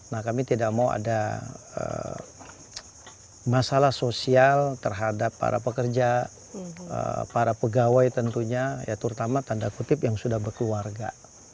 nah kami tidak mau ada masalah sosial terhadap para pekerja para pegawai tentunya ya terutama tanda kutip yang sudah berkeluarga